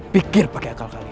pikir pake akal kalian